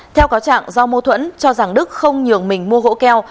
theo cáo trạng do mâu thuẫn cho rằng đức không nhường mình mua gỗ keo